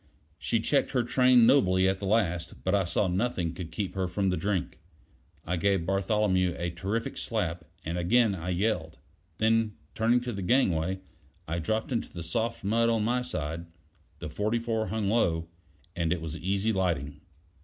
She checked her train nobly at the last, but I saw nothing could keep her from the drink. I gave Bartholomew a terrific slap, and again I yelled; then turning to the gangway, I dropped into the soft mud on my side: the 44 hung low, and it was easy lighting.